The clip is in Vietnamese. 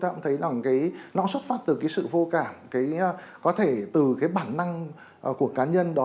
ta cũng thấy rằng cái nó xuất phát từ cái sự vô cảm cái có thể từ cái bản năng của cá nhân đó